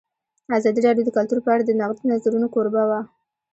ازادي راډیو د کلتور په اړه د نقدي نظرونو کوربه وه.